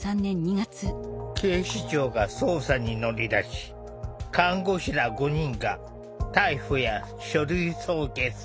警視庁が捜査に乗り出し看護師ら５人が逮捕や書類送検された。